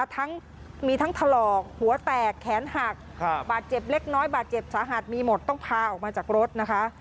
ทั้งมีทั้งถลอกหัวแตกแขนหักบาดเจ็บเล็กน้อยบาดเจ็บสาหัสมีหมดต้องพาออกมาจากรถนะคะ